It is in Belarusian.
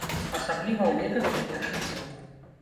Асабліва ў некалькі першых дзён.